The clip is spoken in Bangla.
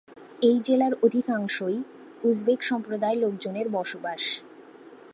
এই জেলার অধিকাংশই উজবেক সম্প্রদায়ের লোকজনের বসবাস।